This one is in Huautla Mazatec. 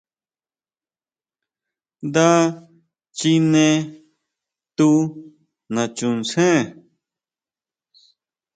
Nda chine tu nachuntsén.